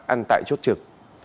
ăn tại chốt trực